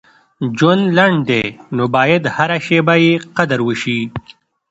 • ژوند لنډ دی، نو باید هره شیبه یې قدر وشي.